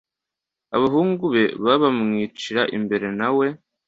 abahungu be babamwicira imbere na we